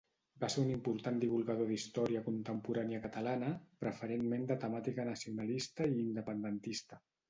Va ser un important divulgador d'història contemporània catalana, preferentment de temàtica nacionalista i independentista.